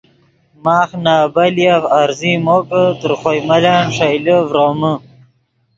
ماخ نے ابیلیف عرضی مو کہ تر خوئے ملن ݰئیلے فرومے